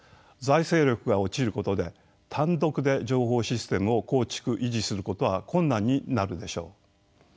財政力が落ちることで単独で情報システムを構築・維持することは困難になるでしょう。